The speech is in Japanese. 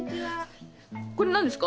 これ何ですか？